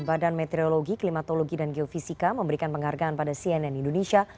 badan meteorologi klimatologi dan geofisika memberikan penghargaan pada cnn indonesia